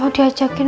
udah lah ya